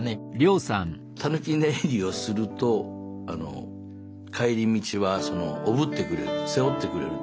タヌキ寝入りをすると帰り道はおぶってくれる背負ってくれる。